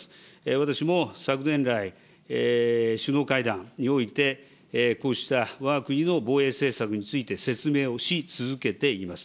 私も昨年来、首脳会談において、こうしたわが国の防衛政策について説明をし続けています。